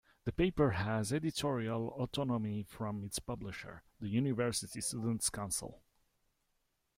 The paper has editorial autonomy from its publisher, the University Students' Council.